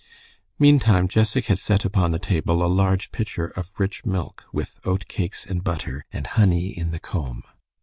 Meantime Jessac had set upon the table a large pitcher of rich milk, with oat cakes and butter, and honey in the comb.